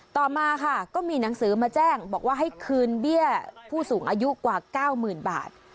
ต่อมาค่ะก็มีหนังสือมาแจ้งบอกว่าให้คืนเบี้ยผู้สูงอายุกว่า๙๐๐๐บาท